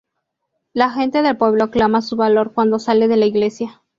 La gente del pueblo aclama su valor cuando sale de la iglesia.